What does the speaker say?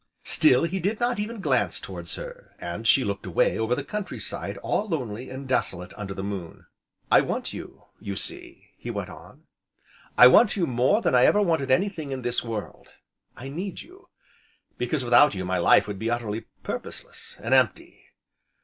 Still he did not even glance towards her, and she looked away over the country side all lonely and desolate under the moon. "I want you, you see," he went on, "I want you more than I ever wanted anything in this world. I need you, because without you my life will be utterly purposeless, and empty.